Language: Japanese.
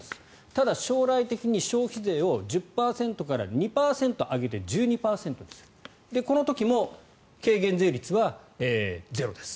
ただ、将来的に消費税を１０％から２％上げて１２％にするとこの時も軽減税率はゼロです。